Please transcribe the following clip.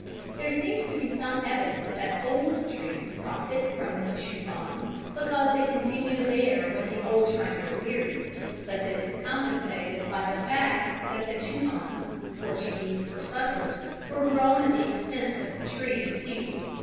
'" There seems to be some evidence that old trees profit from the "chupons" because they continue to bear when the old trunk is weary, but this is compensated for by the fact that the "chupons" (Portuguese for suckers) were grown at the expense of the tree in its youth.